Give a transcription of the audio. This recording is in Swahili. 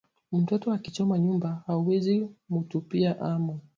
Mtoto akichoma nyumba auwezi mutupia amo